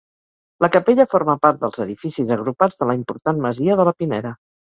La capella forma part dels edificis agrupats de la important masia de la Pineda.